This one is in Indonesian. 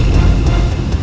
jadi bukan urusan anda